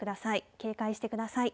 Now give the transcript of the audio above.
警戒してください。